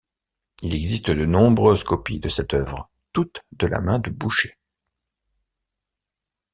Il existe de nombreuses copies de cette œuvre, toutes de la main de Boucher.